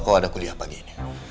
kalau ada kuliah pagi ini